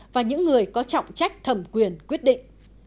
và những người có trọng trách thẩm quyền quyết định